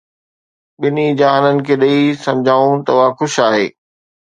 ٻنهي جهانن کي ڏئي، سمجهيائون ته اها خوش آهي